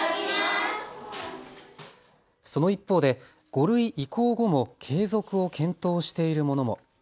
その一方で５類移行後も継続を検討しているものも。